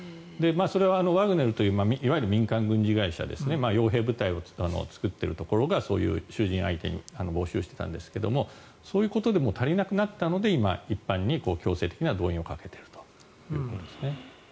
それはワグネルといういわゆる民間軍事会社傭兵部隊を作っているところが囚人相手に募集していたんですがそういうことでも足りなくなったので一般にも動員をかけているということですね。